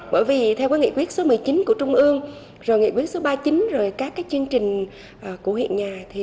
bởi vì theo nghị quyết số một mươi chín của trung ương rồi nghị quyết số ba mươi chín rồi các chương trình của huyện nhà